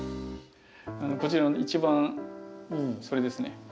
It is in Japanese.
こちらの一番それですね。